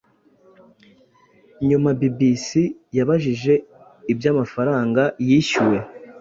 nyuma bbc yabajije iby'amafaranga yishyuwe